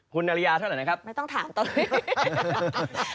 คุณอริยาเท่าไหร่นะครับไม่ต้องถามตอนนี้